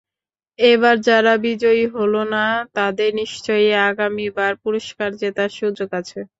এবার যারা বিজয়ী হলো না, তাদের নিশ্চয়ই আগামীবার পুরস্কার জেতার সুযোগ আছে।